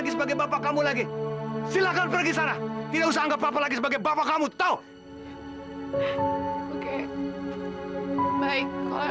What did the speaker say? sampai jumpa di video selanjutnya